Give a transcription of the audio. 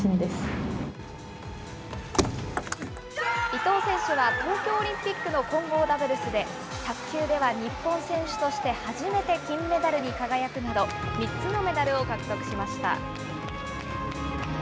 伊藤選手は東京オリンピックの混合ダブルスで、卓球では日本選手として初めて金メダルに輝くなど、３つのメダルを獲得しました。